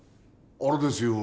あれですよ。